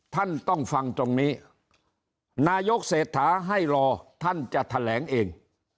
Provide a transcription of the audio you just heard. ท่านต้องฟังตรงนี้นายกเศรษฐาให้รอท่านจะแถลงเอง